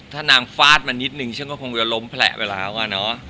ถ้านางฟาดมานิดนึงฉันก็คงจะล้มแผลไปแล้วอะเนาะ